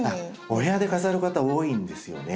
お部屋で飾る方多いんですよね。